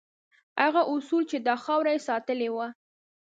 هغه اصول چې دا خاوره یې ساتلې وه.